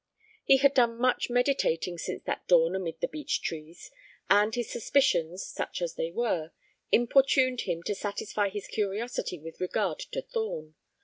He had done much meditating since that dawn amid the beech trees, and his suspicions, such as they were, importuned him to satisfy his curiosity with regard to Thorn.